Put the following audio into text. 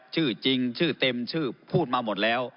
ชื่อจริงชื่อเต็มชื่อพูดมาหมดแล้ว